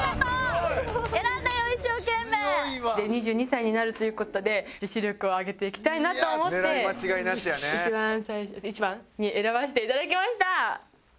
２２歳になるという事で女子力を上げていきたいなと思って一番最初一番に選ばせていただきました。